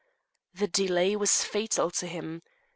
The delay was fatal to him.